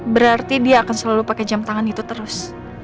berarti dia akan selalu pake jam tangan itu terus